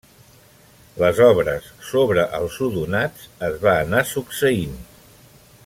Les obres sobre els odonats es van anar succeint.